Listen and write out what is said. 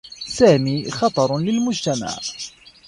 سامي خطر للمجتمع.